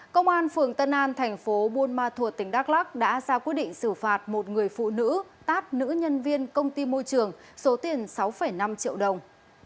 công an phường tân an thành phố buôn ma thuột tỉnh đắk lắc đã ra quyết định xử phạt một người phụ nữ tát nữ nhân viên công ty môi trường số tiền sáu năm triệu đồng